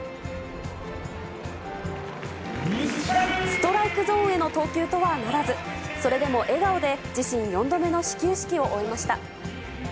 ストライクゾーンへの投球とはならず、それでも笑顔で自身４度目の始球式を終えました。